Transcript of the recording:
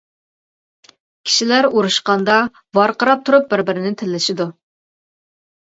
كىشىلەر ئۇرۇشقاندا ۋارقىراپ تۇرۇپ بىر بىرىنى تىللىشىدۇ.